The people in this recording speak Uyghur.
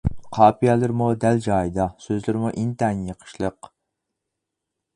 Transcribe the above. قاپىيەلىرىمۇ دەل جايىدا، سۆزلىرىمۇ ئىنتايىن يېقىشلىق.